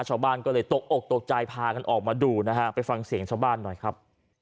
ชาวบ้านก็เลยตกอกตกใจพากันออกมาดูนะฮะไปฟังเสียงชาวบ้านหน่อยครับ